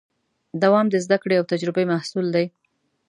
دوام د زدهکړې او تجربې محصول دی.